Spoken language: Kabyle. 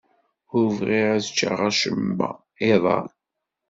Ur bɣiɣ ad cceɣ acemma iḍ-a.